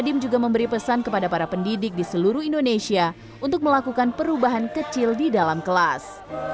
dim juga memberi pesan kepada para pendidik di seluruh indonesia untuk melakukan perubahan kecil di dalam kelas